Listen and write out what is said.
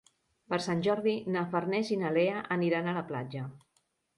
Per Sant Jordi na Farners i na Lea aniran a la platja.